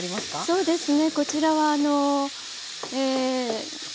そうですね。